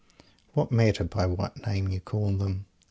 What matter by what name you call them?